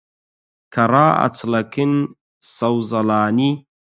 کە ڕائەچڵەکن سەوزەڵانی